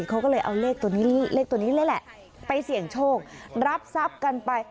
เขาก็เลยเอาเลขตัวนี้เลขตัวนี้เลยแหละไปเสี่ยงโชครับทรัพย์กันไป